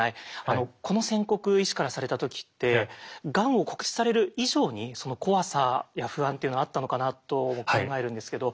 この宣告医師からされた時ってがんを告知される以上に怖さや不安っていうのはあったのかなと考えるんですけど。